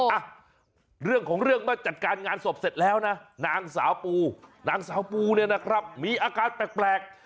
อ่ะเรื่องของเรื่องมาจัดการงานศพเสร็จแล้วนะนางสาวปูนางสาวปูเนี่ยนะครับมีอาการแปลก